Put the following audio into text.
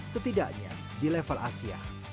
setidaknya di level asia